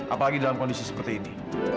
apalagi dalam kondisi seperti ini